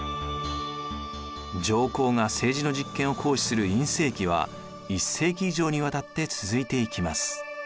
上皇が政治の実権を行使する院政期は１世紀以上にわたって続いていきます。